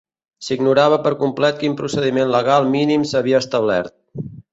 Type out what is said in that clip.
S'ignorava per complet quin procediment legal mínim s'havia establert.